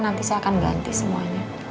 nanti saya akan ganti semuanya